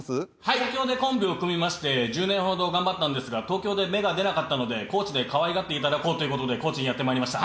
東京でコンビを組みまして１０年ほど頑張ったんですが東京で芽が出なかったので高知でかわいがって頂こうという事で高知にやって参りました。